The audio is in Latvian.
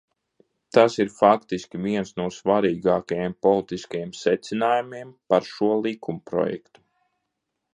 Tas ir faktiski viens no svarīgākajiem politiskajiem secinājumiem par šo likumprojektu.